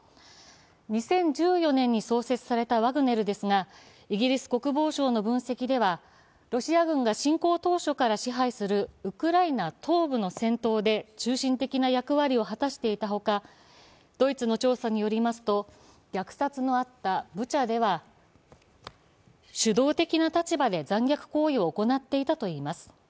２０１４年に創設されたワグネルですが、イギリス国防省の分析ではロシア軍が侵攻当初から支配するウクライナ東部の戦闘で中心的な役割を果たしていたほか、ドイツの調査によりますと、虐殺のあったブチャでは主導的な立場で残虐行為を行っていたといいます。